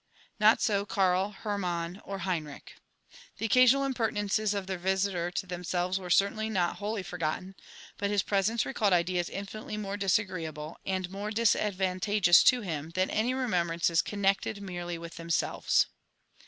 Not so Karl, Hermann, or Henrich. The occasional impertinences of their visiter to themselves were certainly not wholly forgotten ; but his presence recalled ideas infinitely more disagreeable, and more dis advantageous to him, than any remembrances connected merely with themselves.